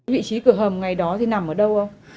vị trí cửa hầm ngày đó thì nằm ở đâu không